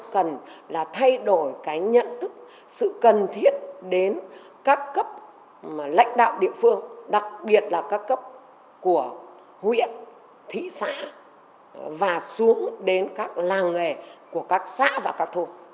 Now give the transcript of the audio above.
cần là thay đổi cái nhận thức sự cần thiết đến các cấp lãnh đạo địa phương đặc biệt là các cấp của huyện thị xã và xuống đến các làng nghề của các xã và các thôn